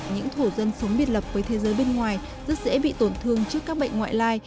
những thổ dân sống biệt lập với thế giới bên ngoài rất dễ bị tổn thương trước các bệnh ngoại lai